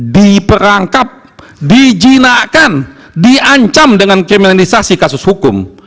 diperangkap dijinakkan diancam dengan kriminalisasi kasus hukum